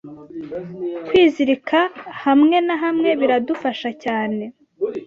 Kwizirika hamwe nawe biradufasha cyane